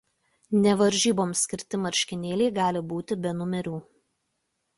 Ne varžyboms skirti marškinėliai gali būti be numerių.